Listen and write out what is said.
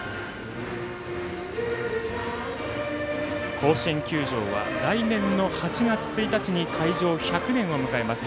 甲子園球場は来年の８月１日に開場１００年を迎えます。